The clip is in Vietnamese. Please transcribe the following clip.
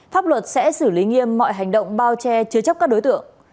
pháp luật sẽ xử lý nghiêm mọi hành động bao che chứa chấp các đối tượng